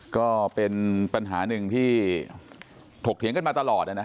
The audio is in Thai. ก็เป็นปัญหาหนึ่งที่ถกเถียงกันมาตลอด